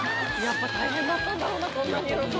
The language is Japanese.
やっぱ大変だったんだろうな